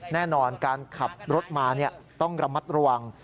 แน่นอนการขับรถมาต้องระมัดระวัง